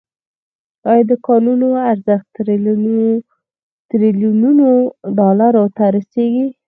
آیا د کانونو ارزښت تریلیونونو ډالرو ته رسیږي؟